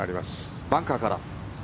バンカーから。